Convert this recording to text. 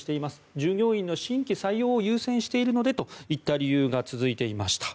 従業員の新規採用を優先しているのでといった理由が続いていました。